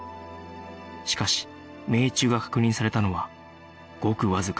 しかし命中が確認されたのはごくわずか